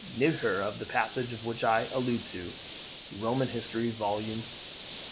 Niebuhr, in the passage which I allude to, [Roman History, vol. v.